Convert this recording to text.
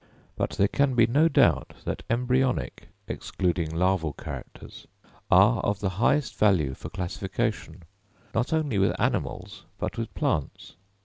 But there can be no doubt that embryonic, excluding larval characters, are of the highest value for classification, not only with animals but with plants.